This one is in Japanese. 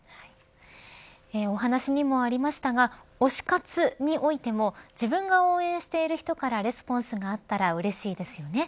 お話にもありましたが推し活においても自分が応援している人からレスポンスがあったらうれしいですよね。